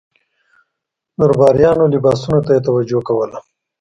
درباریانو لباسونو ته یې توجه کوله.